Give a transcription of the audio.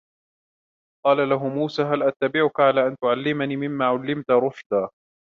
قَالَ لَهُ مُوسَى هَلْ أَتَّبِعُكَ عَلَى أَنْ تُعَلِّمَنِ مِمَّا عُلِّمْتَ رُشْدًا